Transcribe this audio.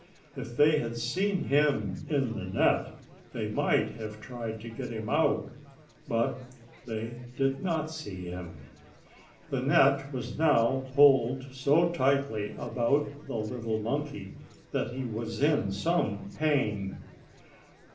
If they had seen him in the net, they might have tried to get him out, but they did not see him. The net was now pulled so tightly about the little monkey, that he was in some pain.